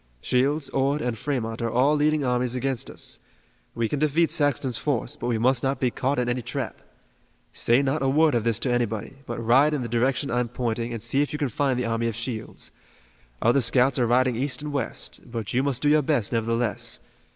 Shields, Ord and Fremont are all leading armies against us. We can defeat Saxton's force, but we must not be caught in any trap. Say not a word of this to anybody, but ride in the direction I'm pointing and see if you can find the army of Shields. Other scouts are riding east and west, but you must do your best, nevertheless.